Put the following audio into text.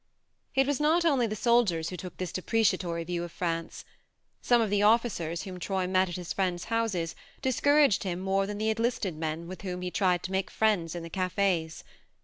It was not only the soldiers who took this depreciatory view of France. Some of the officers whom Troy met at his friends' houses discouraged him more than the enlisted men with whom he tried to make friends in the cafes.